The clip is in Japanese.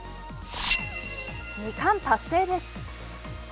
二冠達成です。